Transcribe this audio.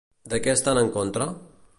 De què estan en contra?